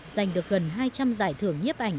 giành được gần hai trăm linh giải thưởng nhếp ảnh